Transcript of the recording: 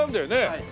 はい。